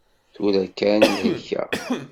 Tura kan i helkeɣ.